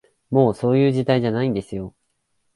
もう、そういう時代じゃないんですよ